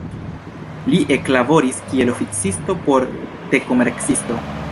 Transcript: Li eklaboris kiel oficisto por te-komercisto.